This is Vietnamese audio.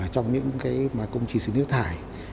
trong những công trình xử lý nước thải